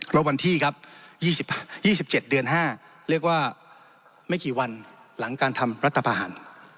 บวันที่ครับ๒๗เดือน๕เรียกว่าไม่กี่วันหลังการทำรัฐประหาร